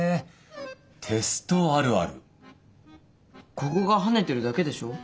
ここがハネてるだけでしょ。